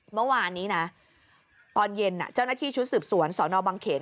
เมื่อวานนี้นะตอนเย็นเจ้าหน้าที่ชุดสืบสวนสนบังเขน